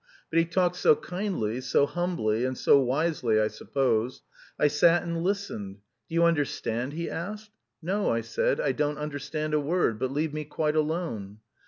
But he talked so kindly, so humbly, and so wisely, I suppose. I sat and listened. 'Do you understand?' he asked. 'No,' I said, 'I don't understand a word, but leave me quite alone.'